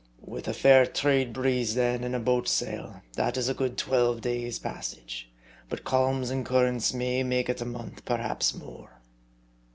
" With a fair trade breeze, then, and a boat sail, that is a good twelve days' passage, but calms and currents may make it a month, perhaps more."